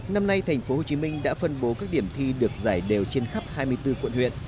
năm nay tp hcm đã phân bố các điểm thi được giải đều trên khắp hai mươi bốn quận huyện